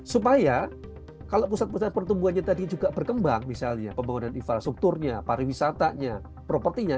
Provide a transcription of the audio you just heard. supaya kalau pusat pusat pertumbuhannya tadi juga berkembang misalnya pembangunan infrastrukturnya pariwisatanya propertinya